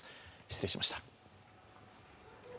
失礼しました。